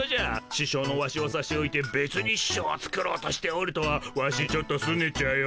ししょうのワシをさしおいてべつにししょうを作ろうとしておるとはワシちょっとすねちゃうよ。